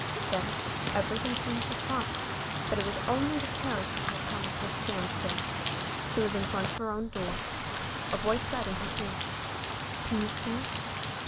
Then everything seemed to stop, but it was only the carriage that had come to a standstill. She was in front of her own door. A voice said in her ear, "Can you stand?"